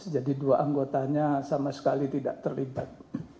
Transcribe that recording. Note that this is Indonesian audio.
jadi dua anggotanya sama sekali tidak terlibat